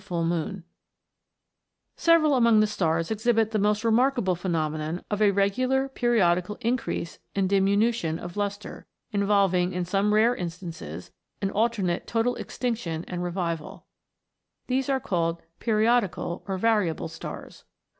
* Several among the stars exhibit the most remark able phenomenon of a regular periodical increase and diminution of lustre, involving, in some rare instances, an alternate total extinction and revival. These are called periodical, or variable stars.